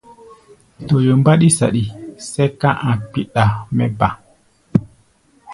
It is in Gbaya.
Toyo mbáɗí yí-saɗi, sɛ́ka a̧ kpiɗa mɛ́ ba.